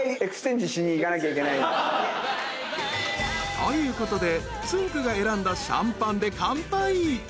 ［ということでつんく♂が選んだシャンパンで乾杯］